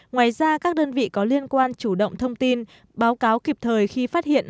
ngoài ra các đơn vị có liên quan chủ động thông tin báo cáo kịp thời khi phát hiện